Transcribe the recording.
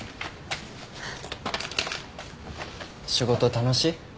仕事楽しい？